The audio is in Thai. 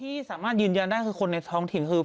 ที่สามารถยืนยันได้คือคนในท้องถิ่นคือ